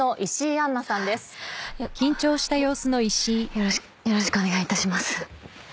よろよろしくお願いいたします。